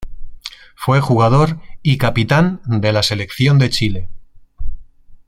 Fue jugador y capitán de la selección de Chile.